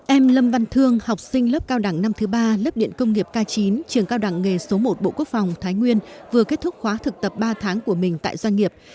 em lâm văn thương học sinh lớp cao đẳng năm thứ ba lớp điện công nghiệp k chín trường cao đẳng nghề số một bộ quốc phòng thái nguyên vừa kết thúc khóa thực tập ba tháng của mình tại doanh nghiệp